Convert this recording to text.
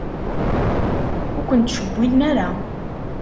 Ur ken-ttcewwilen ara.